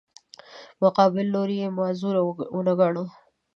مقابل لوری یې معذور ونه ګاڼه.